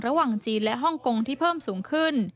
ระหว่างจีนและฮ่องกงที่เพิ่มสูงขึ้น